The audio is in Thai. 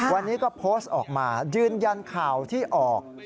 วันนี้ก็โพสต์ออกมายืนยันข่าวที่ออก